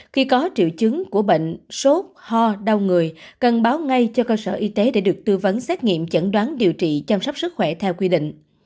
khi có triệu chứng của bệnh sốt ho đau người cần báo ngay cho cơ sở y tế để được tư vấn xét nghiệm chẩn đoán điều trị chăm sóc sức khỏe theo quy định